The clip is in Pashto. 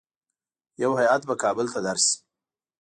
یو هیات به کابل ته درسي.